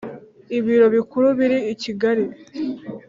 Ibiro Bikuru biri ikigali